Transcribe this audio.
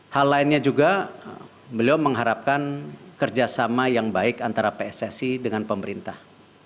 hal lainnya juga beliau mengharapkan kerjasama yang baik antara pssi dengan pemerintah